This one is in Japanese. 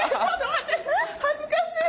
恥ずかしい！